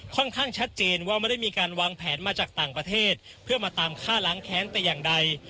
ชัดเจนว่าไม่ได้มีการวางแผนมาจากต่างประเทศเพื่อมาตามฆ่าล้างแค้นแต่อย่างใด